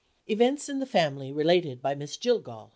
_EVENTS IN THE FAMILY, RELATED BY MISS JILLGALL.